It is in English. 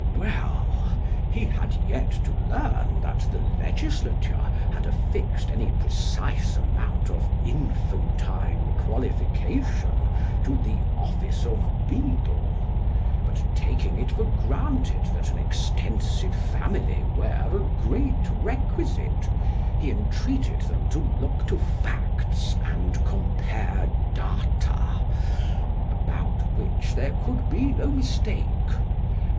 Well ; he had yet to learn that the legislature had affixed any precise amount of infantine qualification to the office of beadle ; but taking it for granted that an extensive family were a great requisite, he entreated them to look to facts, and compare data, about which there could be no mistake.